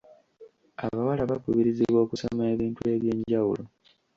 Abawala bakubirizibwa okusoma ebintu eby'enjawulo.